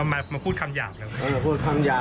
แล้วเขามาพูดคำหยาบเลยไหมครับอืมพูดคำหยาบ